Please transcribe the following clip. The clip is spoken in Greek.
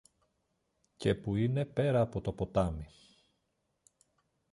και που είναι πέρα από το ποτάμι.